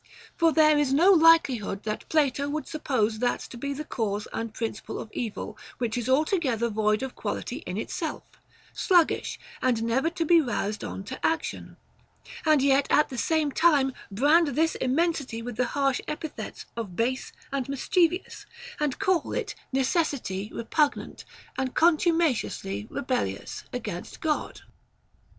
For there is no likelihood that Plato would suppose that to be the cause and principle of evil which is altogether void of quality in itself, sluggish, and never to be roused on to action, and yet at the same time brand this im mensity with the harsh epithets of base and mischievous, and call it necessity repugnant and contumaciously rebel OF THE PROCREATION OF THE SOUL. 333 lious against God.